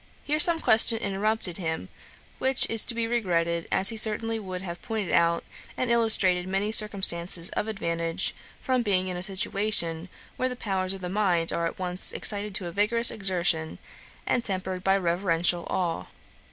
Here some question interrupted him, which is to be regretted, as he certainly would have pointed out and illustrated many circumstances of advantage, from being in a situation, where the powers of the mind are at once excited to vigorous exertion, and tempered by reverential awe.